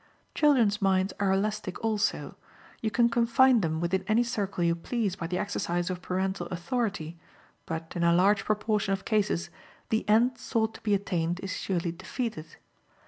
Children's minds are elastic also; you can confine them within any circle you please by the exercise of parental authority, but in a large proportion of cases the end sought to be attained is surely defeated.